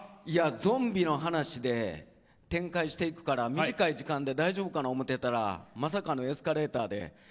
ゾンビの話で展開していくから短い時間で大丈夫かなって思ってたらまさかのエスカレーターで。